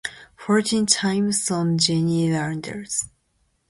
Fortean Times on Jenny Randles.